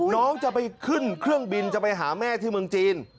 น้องจะไปขึ้นเครื่องบินจะไปหาแม่ที่เมืองจีน